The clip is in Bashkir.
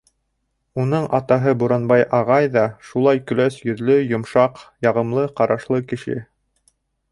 Уның атаһы Буранбай ағай ҙа шулай көләс йөҙлө, йомшаҡ, яғымлы ҡарашлы кеше.